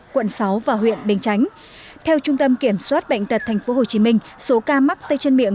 quận sáu và huyện bình chánh theo trung tâm kiểm soát bệnh tật tp hcm số ca mắc tay chân miệng